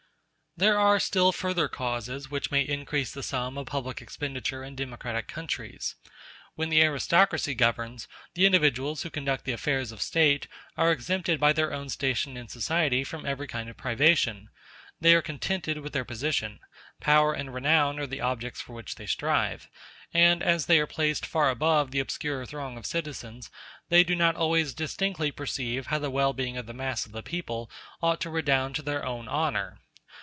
There are still further causes which may increase the sum of public expenditure in democratic countries. When the aristocracy governs, the individuals who conduct the affairs of State are exempted by their own station in society from every kind of privation; they are contented with their position; power and renown are the objects for which they strive; and, as they are placed far above the obscurer throng of citizens, they do not always distinctly perceive how the well being of the mass of the people ought to redound to their own honor.